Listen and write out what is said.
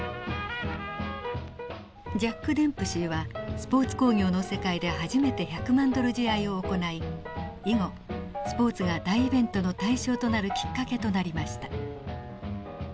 ジャック・デンプシーはスポーツ興行の世界で初めて１００万ドル試合を行い以後スポーツが大イベントの対象となるきっかけとなりました。